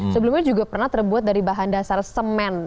sebelumnya juga pernah terbuat dari bahan dasar semen